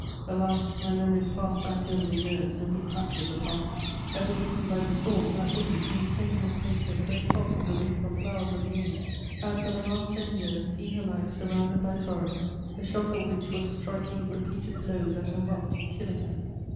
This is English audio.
Alas, my memories passed back over the years and recaptured the past! Ever beaten by the storm, that woman, whom fame had placed at the very top of the wreath of flowers of the age, had, for the last ten years, seen her life surrounded by sorrows, the shock of which was striking repeated blows at her heart and killing her!...